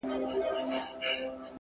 هوډ د ستونزو سیوري لنډوي،